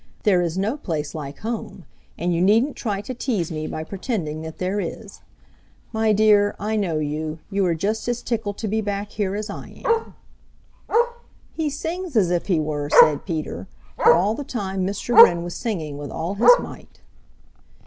There is no place like home, and you needn't try to tease me by pretending that there is. My dear, I know you; you are just as tickled to be back here as I am." "He sings as if he were," said Peter, for all the time Mr. Wren was singing with all his might.